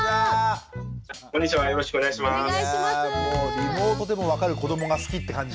リモートでも分かる子どもが好きって感じ。